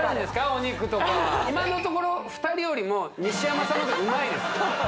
お肉とかは今のところ２人よりも西山さんの方がうまいです